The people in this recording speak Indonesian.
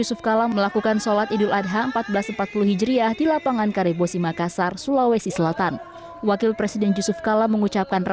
saya alhamdulillah dapat hadir pada acara pagi ini setelah bertahun tahun tidak hadir dalam acara